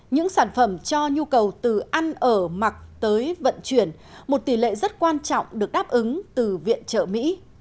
những sản phẩm cho nhu cầu từ ăn ở mặc tới vận chuyển một tỷ lệ rất quan trọng được đáp ứng từ viện trợ mỹ